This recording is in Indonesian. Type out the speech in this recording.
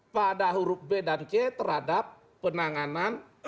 pada huruf b dan c terhadap penanganan